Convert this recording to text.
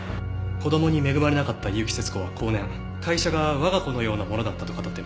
子供に恵まれなかった結城節子は後年会社が我が子のようなものだったと語っています。